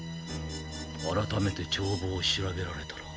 あらためて帳簿を調べられたら。